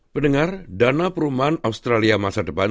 pendengar dana perumahan australia masa depan